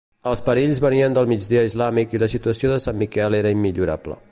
Els perills venien del migdia islàmic i la situació de Sant Miquel era immillorable.